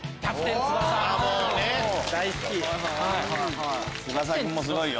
翼君もすごいよ。